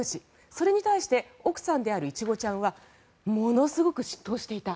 それに対して奥さんであるイチゴちゃんはものすごく嫉妬していた。